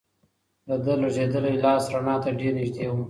د ده لړزېدلی لاس رڼا ته ډېر نږدې و.